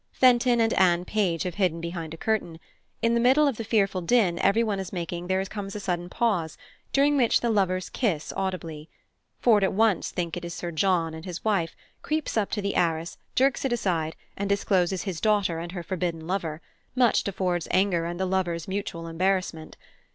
Fenton and Anne Page have hidden behind a curtain. In the middle of the fearful din everyone is making there comes a sudden pause, during which the lovers kiss audibly. Ford at once thinks it is Sir John and his wife, creeps up to the arras, jerks it aside, and discloses his daughter and her forbidden lover, much to Ford's anger and the lovers' mutual embarrassment!